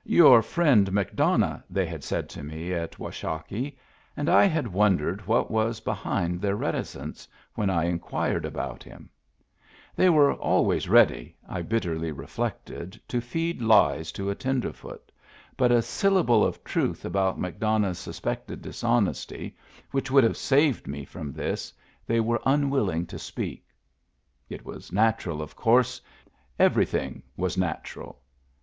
" Your friend McDonough," they had said to me at Washakie, and I had wondered what was be hind their reticence when I inquired about him. Digitized by Google THE GIFT HORSE 199 They were always ready, I bitterly reflected, to feed lies to a tenderfoot, but a syllable of truth about McDonough's suspected dishonesty, which would have saved me from this, they were unwill ing to speak. It was natural, of course; every thing was natural.